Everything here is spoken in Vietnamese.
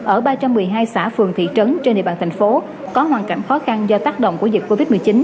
ở ba trăm một mươi hai xã phường thị trấn trên địa bàn thành phố có hoàn cảnh khó khăn do tác động của dịch covid một mươi chín